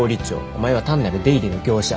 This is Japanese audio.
お前は単なる出入りの業者。